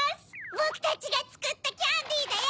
ぼくたちがつくったキャンディだよ！